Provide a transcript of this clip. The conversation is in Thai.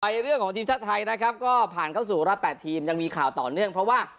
เรื่องของทีมชาติไทยนะครับก็ผ่านเข้าสู่รอบ๘ทีมยังมีข่าวต่อเนื่องเพราะว่า